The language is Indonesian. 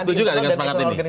setuju nggak dengan semangat ini